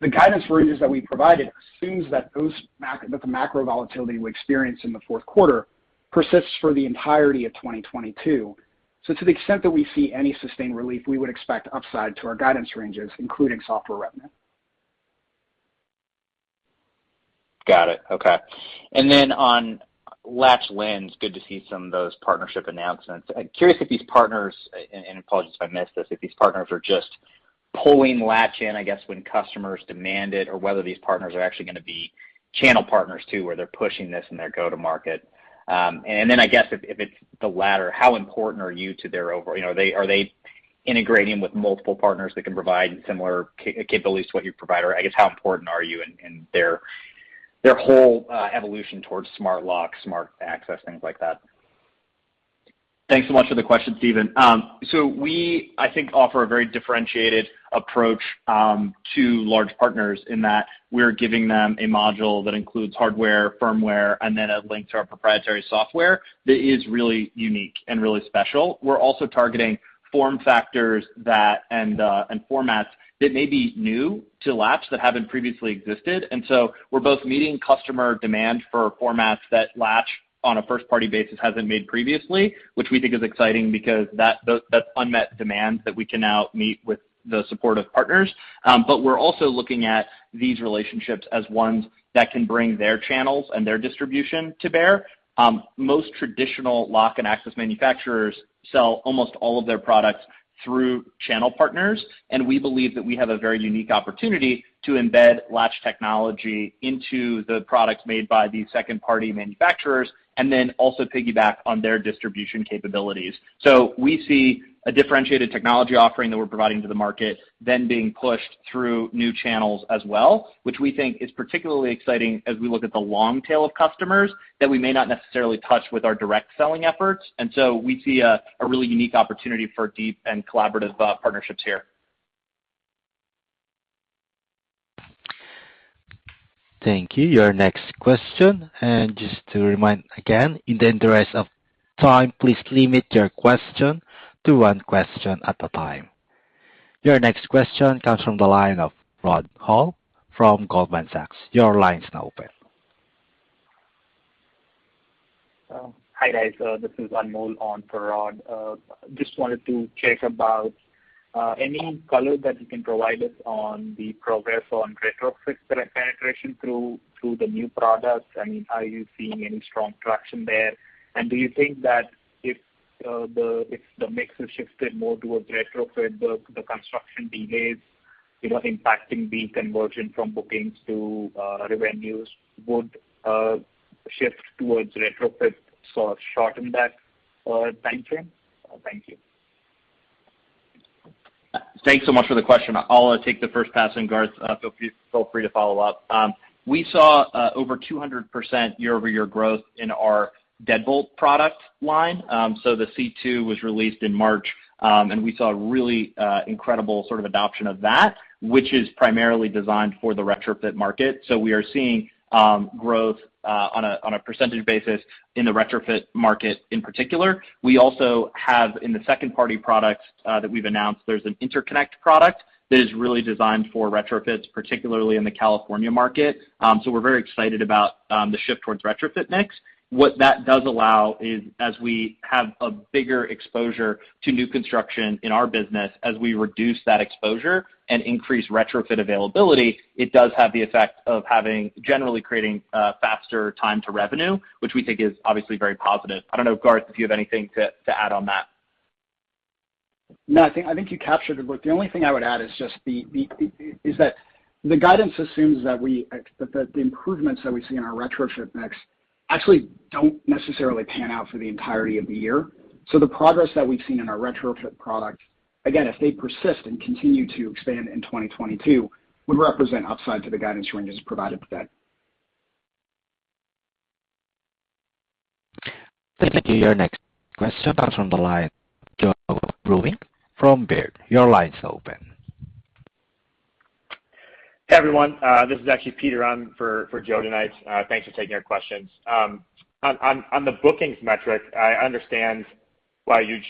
Speaker 4: The guidance ranges that we provided assumes that the macro volatility we experienced in the fourth quarter persists for the entirety of 2022. To the extent that we see any sustained relief, we would expect upside to our guidance ranges, including software revenue.
Speaker 5: Got it. Okay. On Latch Lens, good to see some of those partnership announcements. I'm curious if these partners, and apologies if I missed this, if these partners are just pulling Latch in, I guess, when customers demand it or whether these partners are actually gonna be channel partners too, where they're pushing this in their go-to-market. I guess if it's the latter, how important are you to their. You know, are they integrating with multiple partners that can provide similar capabilities to what you provide? Or I guess, how important are you in their whole evolution towards smart lock, smart access, things like that?
Speaker 3: Thanks so much for the question, Steve. I think we offer a very differentiated approach to large partners in that we're giving them a module that includes hardware, firmware, and then a link to our proprietary software that is really unique and really special. We're also targeting form factors and formats that may be new to Latch that haven't previously existed. We're both meeting customer demand for formats that Latch on a first-party basis hasn't made previously, which we think is exciting because that's unmet demand that we can now meet with the support of partners. We're also looking at these relationships as ones that can bring their channels and their distribution to bear. Most traditional lock and access manufacturers sell almost all of their products through channel partners, and we believe that we have a very unique opportunity to embed Latch technology into the products made by these second-party manufacturers and then also piggyback on their distribution capabilities. We see a differentiated technology offering that we're providing to the market then being pushed through new channels as well, which we think is particularly exciting as we look at the long tail of customers that we may not necessarily touch with our direct selling efforts. We see a really unique opportunity for deep and collaborative partnerships here.
Speaker 1: Thank you. Your next question. Just to remind again, in the interest of time, please limit your question to one question at a time. Your next question comes from the line of Rod Hall from Goldman Sachs. Your line is now open.
Speaker 6: Hi, guys. This is Anmol on for Rod. Just wanted to check about any color that you can provide us on the progress on retrofit penetration through the new products. I mean, are you seeing any strong traction there? Do you think that if If the mix has shifted more towards retrofit, the construction delays, you know, impacting the conversion from bookings to revenues would shift towards retrofit sort of shorten that time frame? Thank you.
Speaker 3: Thanks so much for the question. I'll take the first pass, and Garth, feel free to follow up. We saw over 200% YoY growth in our deadbolt product line. The C2 was released in March, and we saw a really incredible sort of adoption of that, which is primarily designed for the retrofit market. We are seeing growth on a percentage basis in the retrofit market in particular. We also have in the second-party products that we've announced, there's an interconnect product that is really designed for retrofits, particularly in the California market. We're very excited about the shift towards retrofit mix. What that does allow is as we have a bigger exposure to new construction in our business, as we reduce that exposure and increase retrofit availability, it does have the effect of generally creating faster time to revenue, which we think is obviously very positive. I don't know, Garth, if you have anything to add on that.
Speaker 4: No, I think you captured it. Look, the only thing I would add is that the guidance assumes that the improvements that we see in our retrofit mix actually don't necessarily pan out for the entirety of the year. The progress that we've seen in our retrofit product, again, if they persist and continue to expand in 2022, would represent upside to the guidance ranges provided for that.
Speaker 1: Thank you. Your next question comes from the line of Joe Vruwink from Baird. Your line's open.
Speaker 7: Hey, everyone. This is actually Peter on for Joe tonight. Thanks for taking our questions. On the bookings metric, I understand why you'd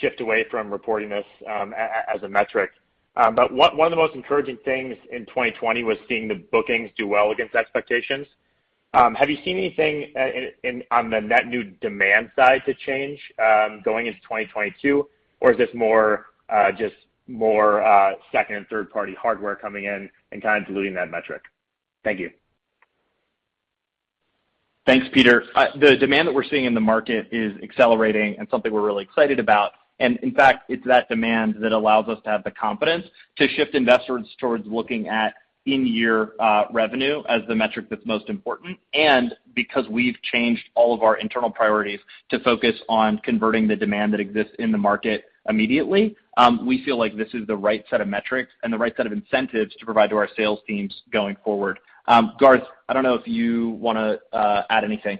Speaker 7: shift away from reporting this as a metric. One of the most encouraging things in 2020 was seeing the bookings do well against expectations. Have you seen anything on the net new demand side to change going into 2022, or is this more just more second- and third-party hardware coming in and kind of diluting that metric? Thank you.
Speaker 3: Thanks, Peter. The demand that we're seeing in the market is accelerating and something we're really excited about. In fact, it's that demand that allows us to have the confidence to shift investors towards looking at in-year revenue as the metric that's most important. Because we've changed all of our internal priorities to focus on converting the demand that exists in the market immediately, we feel like this is the right set of metrics and the right set of incentives to provide to our sales teams going forward. Garth, I don't know if you wanna add anything.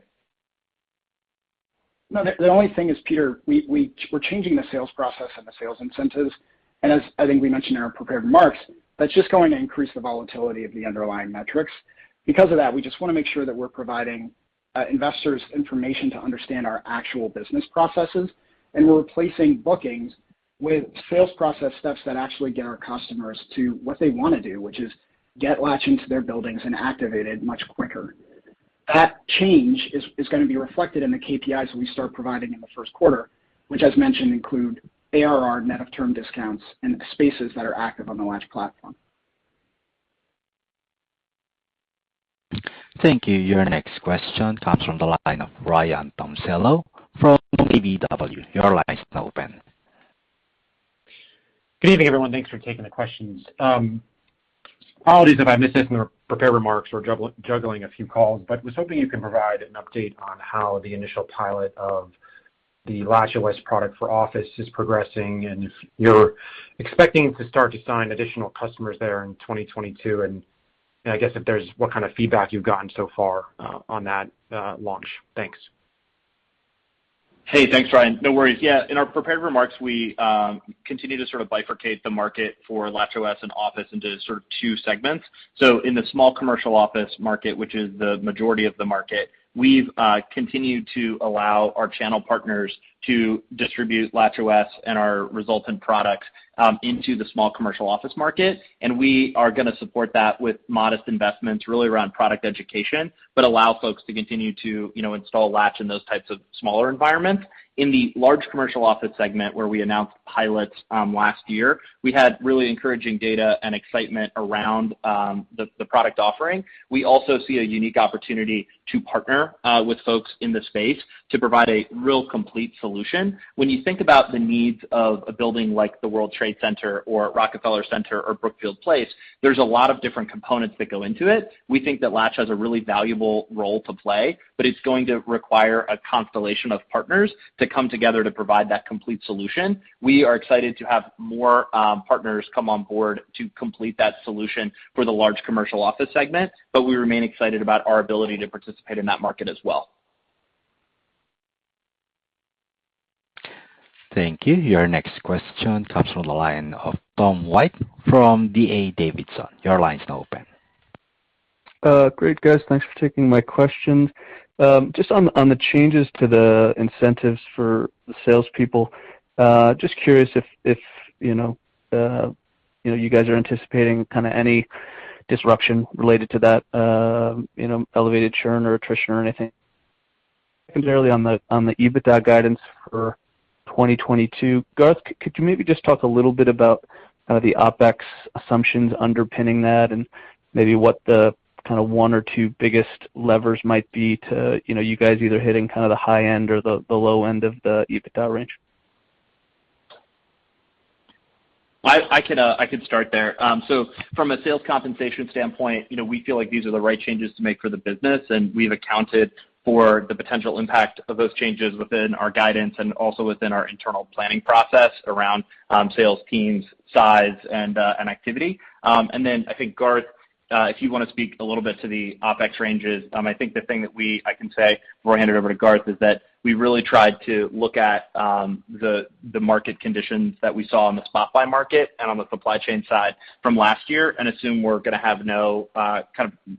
Speaker 4: No. The only thing is, Peter, we're changing the sales process and the sales incentives, and as I think we mentioned in our prepared remarks, that's just going to increase the volatility of the underlying metrics. Because of that, we just wanna make sure that we're providing investors information to understand our actual business processes, and we're replacing bookings with sales process steps that actually get our customers to what they wanna do, which is get Latch into their buildings and activated much quicker. That change is gonna be reflected in the KPIs that we start providing in the first quarter, which, as mentioned, include ARR net of term discounts and spaces that are active on the Latch platform.
Speaker 1: Thank you. Your next question comes from the line of Ryan Tomasello from KBW. Your line's now open.
Speaker 8: Good evening, everyone. Thanks for taking the questions. Apologies if I missed this in the prepared remarks. We're juggling a few calls. I was hoping you can provide an update on how the initial pilot of the LatchOS product for office is progressing and if you're expecting to start to sign additional customers there in 2022, and, you know, I guess what kind of feedback you've gotten so far, on that launch. Thanks.
Speaker 3: Hey. Thanks, Ryan. No worries. Yeah, in our prepared remarks, we continue to sort of bifurcate the market for LatchOS and office into sort of two segments. In the small commercial office market, which is the majority of the market, we've continued to allow our channel partners to distribute LatchOS and our resultant products into the small commercial office market, and we are gonna support that with modest investments really around product education, but allow folks to continue to, you know, install Latch in those types of smaller environments. In the large commercial office segment, where we announced pilots last year, we had really encouraging data and excitement around the product offering. We also see a unique opportunity to partner with folks in the space to provide a real complete solution. When you think about the needs of a building like the World Trade Center or Rockefeller Center or Brookfield Place, there's a lot of different components that go into it. We think that Latch has a really valuable role to play, but it's going to require a constellation of partners to come together to provide that complete solution. We are excited to have more partners come on board to complete that solution for the large commercial office segment, but we remain excited about our ability to participate in that market as well.
Speaker 1: Thank you. Your next question comes from the line of Tom White from D.A. Davidson. Your line's now open.
Speaker 9: Great, guys. Thanks for taking my questions. Just on the changes to the incentives for the salespeople, just curious if you know, you know, you guys are anticipating kinda any disruption related to that, you know, elevated churn or attrition or anything. Clearly on the EBITDA guidance for 2022, Garth, could you maybe just talk a little bit about the OpEx assumptions underpinning that and maybe what the kinda one or two biggest levers might be to you know, you guys either hitting kinda the high end or the low end of the EBITDA range?
Speaker 3: I can start there. From a sales compensation standpoint, you know, we feel like these are the right changes to make for the business, and we've accounted for the potential impact of those changes within our guidance and also within our internal planning process around sales teams, size, and activity. I think, Garth, if you wanna speak a little bit to the OpEx ranges. The thing that I can say before I hand it over to Garth is that we really tried to look at the market conditions that we saw on the spot buy market and on the supply chain side from last year and assume we're gonna have no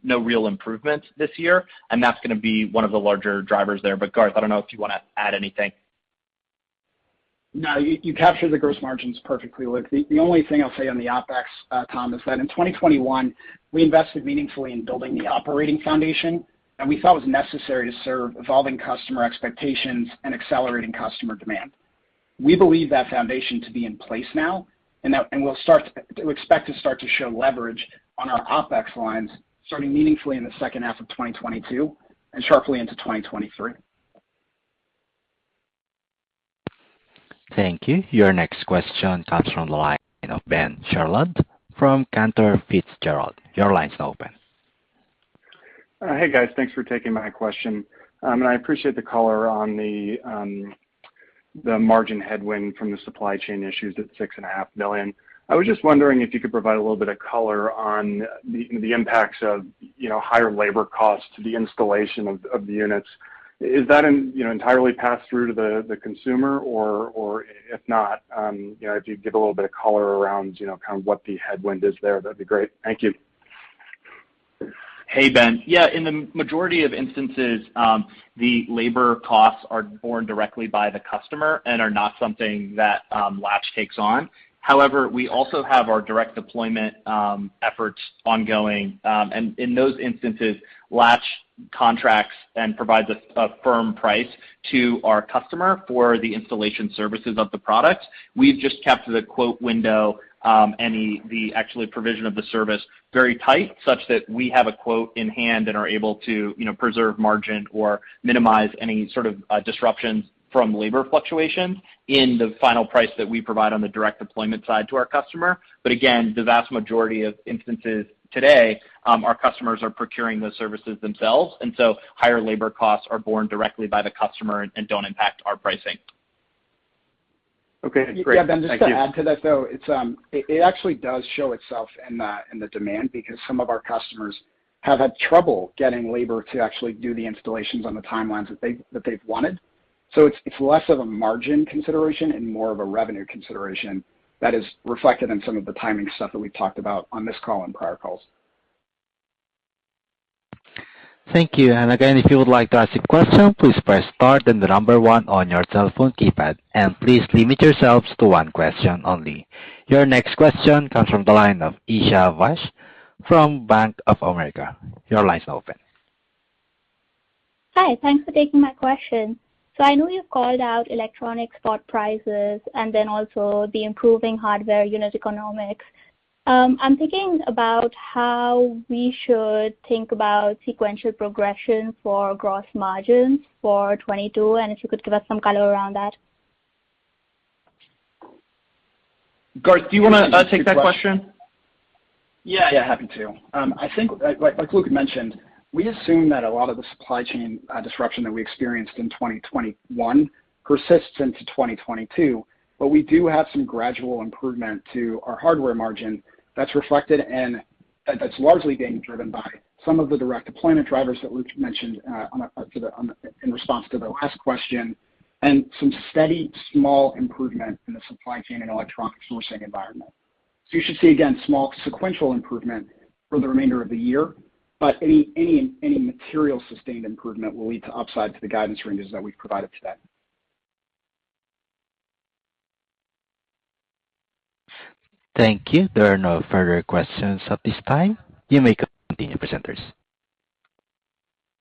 Speaker 3: real improvements this year, and that's gonna be one of the larger drivers there. Garth, I don't know if you wanna add anything.
Speaker 4: No, you captured the gross margins perfectly, Luke. The only thing I'll say on the OpEx, Tom, is that in 2021, we invested meaningfully in building the operating foundation, and we thought was necessary to serve evolving customer expectations and accelerating customer demand. We believe that foundation to be in place now, and we'll start to—we expect to start to show leverage on our OpEx lines starting meaningfully in the second half of 2022 and sharply into 2023.
Speaker 1: Thank you. Your next question comes from the line of Ben Chait from Cantor Fitzgerald. Your line's open.
Speaker 10: Hey, guys. Thanks for taking my question. I appreciate the color on the margin headwind from the supply chain issues at $6.5 million. I was just wondering if you could provide a little bit of color on the impacts of, you know, higher labor costs to the installation of the units. Is that, you know, entirely passed through to the consumer? Or if not, you know, if you give a little bit of color around, you know, kind of what the headwind is there, that'd be great. Thank you.
Speaker 3: Hey, Ben. Yeah, in the majority of instances, the labor costs are borne directly by the customer and are not something that Latch takes on. However, we also have our direct deployment efforts ongoing, and in those instances, Latch contracts and provides a firm price to our customer for the installation services of the product. We've just kept the quote window and the actual provision of the service very tight, such that we have a quote in hand and are able to, you know, preserve margin or minimize any sort of disruptions from labor fluctuations in the final price that we provide on the direct deployment side to our customer. But again, the vast majority of instances today, our customers are procuring those services themselves, and so higher labor costs are borne directly by the customer and don't impact our pricing.
Speaker 10: Okay, great. Thank you.
Speaker 4: Yeah, Ben, just to add to that, though, it's it actually does show itself in the demand because some of our customers have had trouble getting labor to actually do the installations on the timelines that they've wanted. It's less of a margin consideration and more of a revenue consideration that is reflected in some of the timing stuff that we talked about on this call and prior calls.
Speaker 1: Thank you. Again, if you would like to ask a question, please press star then one on your telephone keypad, and please limit yourselves to one question only. Your next question comes from the line of Isha Cash from Bank of America. Your line's open.
Speaker 11: Hi. Thanks for taking my question. I know you've called out electronic spot prices and then also the improving hardware unit economics. I'm thinking about how we should think about sequential progression for gross margins for 2022, and if you could give us some color around that.
Speaker 3: Garth, do you wanna take that question?
Speaker 4: Yeah. Yeah, happy to. I think, like, Luke had mentioned, we assume that a lot of the supply chain disruption that we experienced in 2021 persists into 2022, but we do have some gradual improvement to our hardware margin that's reflected and that's largely being driven by some of the direct deployment drivers that Luke mentioned in response to the last question and some steady small improvement in the supply chain and electronic sourcing environment. You should see, again, small sequential improvement for the remainder of the year, but any material sustained improvement will lead to upside to the guidance ranges that we've provided today.
Speaker 1: Thank you. There are no further questions at this time. You may continue, presenters.